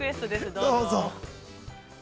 どうぞ。